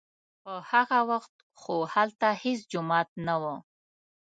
په هغه وخت خو هلته هېڅ جومات نه و.